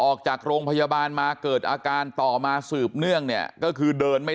ออกจากโรงพยาบาลมาเกิดอาการต่อมาสืบเนื่องเนี่ยก็คือเดินไม่